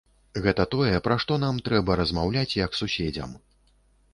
Гэта тое, пра што нам трэба размаўляць як суседзям.